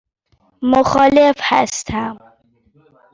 مخالف هستم.